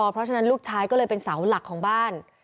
เพราะฉะนั้นลูกชายก็เลยเป็นเสาหลักของบ้าน